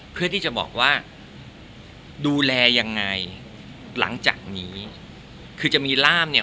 เพื่อที่จะบอกว่าดูแลยังไงหลังจากนี้คือจะมีร่ามเนี่ย